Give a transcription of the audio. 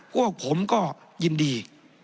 พวกผมก็ยินดี